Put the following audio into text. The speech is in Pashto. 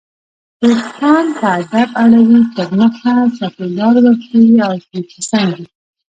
توپان په ادب اړوي تر مخه، څپې لار ورکوي او ترې په څنګ ځي